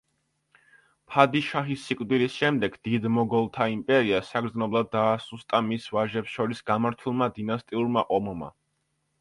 ფადიშაჰის სიკვდილის შემდეგ დიდ მოგოლთა იმპერია საგრძნობლად დაასუსტა მის ვაჟებს შორის გამართულმა დინასტიურმა ომმა.